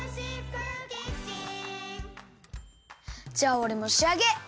じゃあおれもしあげ！